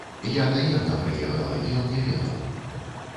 Я таемна прыехала, ён не ведаў.